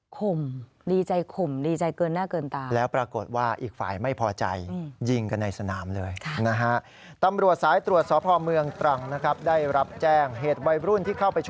ข่มดีใจข่มดีใจเกินหน้าเกินตา